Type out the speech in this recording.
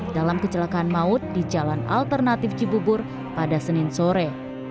dalam kecelakaan maut di jalan alternatif cibubur pada senin sore